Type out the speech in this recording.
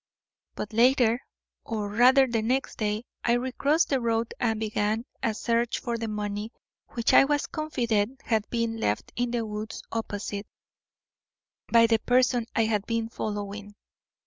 But later, or rather the next day, I recrossed the road and began a search for the money which I was confident had been left in the woods opposite, by the person I had been following.